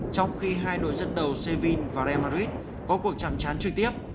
trong khi hai đội dân đầu sevilla và real madrid có cuộc chạm chán truyền tiếp